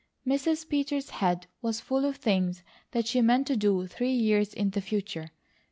Mrs. Peters' head was full of things that she meant to do three years in the future.